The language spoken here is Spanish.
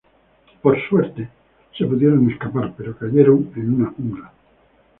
Por suerte se pudieron escapar pero cayeron en una jungla.